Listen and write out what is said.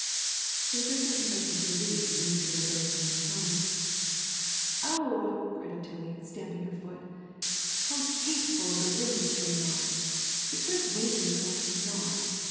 There was a certain latent relief in Mr. Le Breton's tone. "Oh!" cried Otillie, stamping her foot. "How hateful of the wind to spring up! It could have waited as well as not!